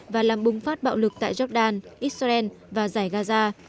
và làm bùng phát bạo lực tại jordan israel và giải gaza